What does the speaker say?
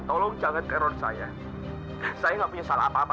tolong jangan teror saya